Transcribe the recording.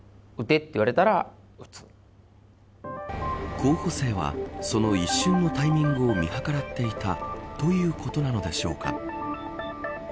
候補生はその一瞬のタイミングを見計らっていたということなのでしょうか。